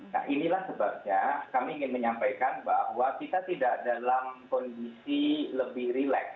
nah inilah sebabnya kami ingin menyampaikan bahwa kita tidak dalam kondisi lebih relax